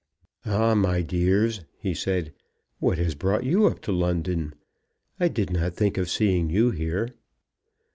"Ah, my dears," he said, "what has brought you up to London? I did not think of seeing you here."